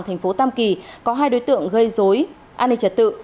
thành phố tam kỳ có hai đối tượng gây dối an ninh trật tự